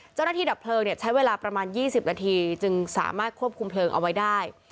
เจ้าหน้าที่ดับเพลิงเนี่ยใช้เวลาประมาณ๒๐นาทีจึงสามารถควบคุมเพลิงเอาไว้ได้